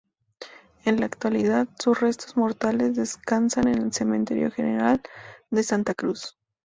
En la actualidad, sus restos mortales descansan en el Cementerio General de Santa Cruz.